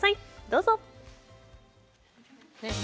どうぞ！